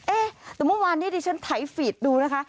เอ๊ะแต่เมื่อวานนี้ดิฉันไถฟีดดูนะคะ